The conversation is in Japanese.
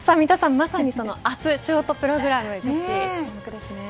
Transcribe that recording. まさにその明日ショートプログラム注目ですね。